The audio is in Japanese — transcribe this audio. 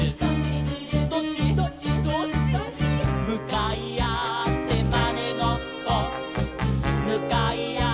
「むかいあってまねごっこ」「むかいあってまねごっこ」